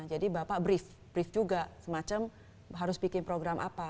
jadi bapak brief brief juga semacam harus bikin program apa